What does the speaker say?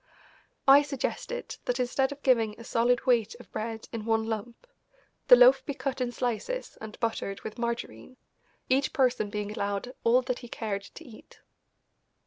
I suggested that, instead of giving a solid weight of bread in one lump, the loaf be cut in slices and buttered with margarine, each person being allowed all that he cared to eat.